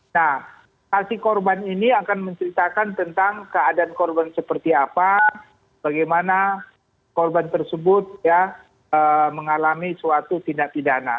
nah saksi korban ini akan menceritakan tentang keadaan korban seperti apa bagaimana korban tersebut mengalami suatu tindak pidana